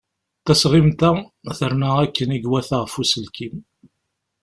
Tasɣimt-a terna akken i iwata ɣef uselkim.